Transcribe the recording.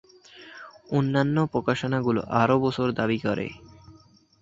অন্যান্য প্রকাশনাগুলো আরও বছর দাবি করে।